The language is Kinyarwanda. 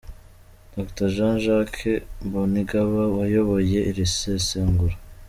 Dr Jean Jacques Mbonigaba wayoboye iri sesengura.